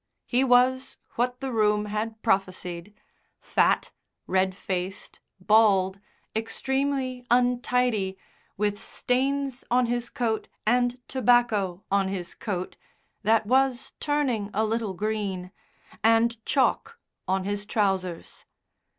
He was what the room had prophesied fat, red faced, bald, extremely untidy, with stains on his coat and tobacco on his coat, that was turning a little green, and chalk on his trousers.